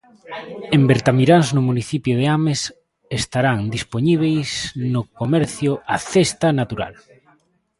En Bertamiráns, no municipio de Ames, estarán dispoñíbeis no comercio 'A cesta natural'.